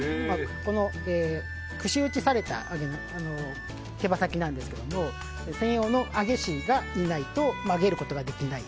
この串打ちされた手羽先なんですが専用の揚師がいないと曲げることができない。